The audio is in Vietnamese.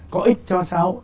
có ích cho sao